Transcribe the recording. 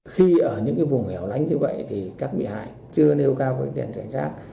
đi ở những cái vùng hẻo lánh như vậy thì các bị hại chưa nêu cao cái tiền trảnh sát